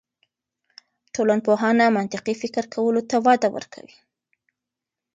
ټولنپوهنه منطقي فکر کولو ته وده ورکوي.